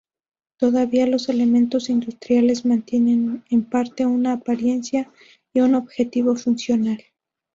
Todavía los elementos industriales mantienen en parte una apariencia y un objetivo funcional.